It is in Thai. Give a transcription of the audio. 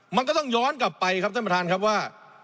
มันก็ต้องย้อนกลับไปครับท่านประธานครับว่า